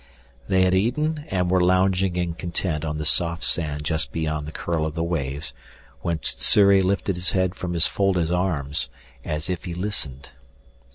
They had eaten and were lounging in content on the soft sand just beyond the curl of the waves when Sssuri lifted his head from his folded arms as if he listened.